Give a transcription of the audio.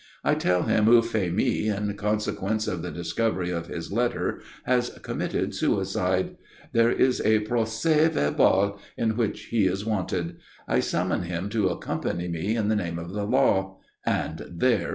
I tell him Euphémie, in consequence of the discovery of his letter, has committed suicide. There is a procès verbal at which he is wanted. I summon him to accompany me in the name of the law and there he is."